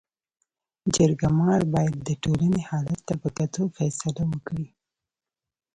جرګه مار باید د ټولني حالت ته په کتو فيصله وکړي.